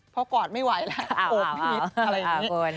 เพราะกอดไม่ไหวแล้วอบผิดอะไรแบบนี้